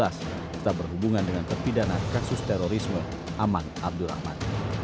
setelah berhubungan dengan kepidana kasus terorisme aman abdul rahman